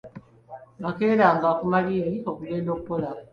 Nakeeranga ku maliiri okugenda okukola.